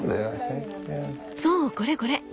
そうこれこれ。